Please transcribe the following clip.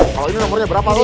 kalau ini nomornya berapa pak